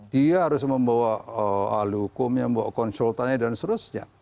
dia harus membawa lukumnya membawa konsultannya dan seterusnya